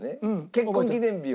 結婚記念日は？